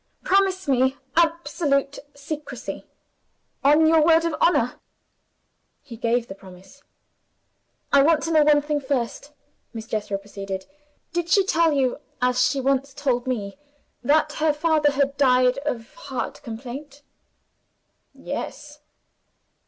Promise me absolute secrecy, on your word of honor." He gave the promise. "I want to know one thing, first," Miss Jethro proceeded. "Did she tell you as she once told me that her father had died of heart complaint?" "Yes."